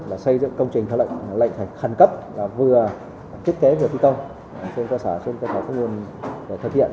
là xây dựng công trình lệnh hành cấp vừa thiết kế vừa thi công trên cơ sở trên cơ sở phương nguồn thực hiện